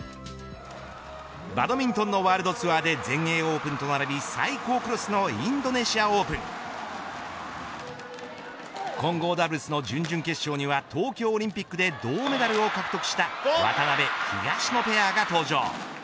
バドミントンのワールドツアーで全英オープン混合ダブルスの準々決勝には東京オリンピックで銅メダルを獲得した渡辺、東野ペアが登場。